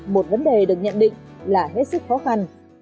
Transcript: một vấn đề được nhận định là hết sức khó khăn